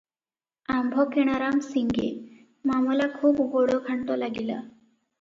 ଆମ୍ଭ କିଣାରାମ ସିଙ୍ଗେ! ମାମଲା ଖୁବ୍ ଗୋଳଘାଣ୍ଟ ଲାଗିଲା ।